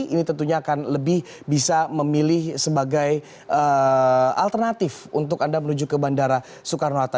ini tentunya akan lebih bisa memilih sebagai alternatif untuk anda menuju ke bandara soekarno hatta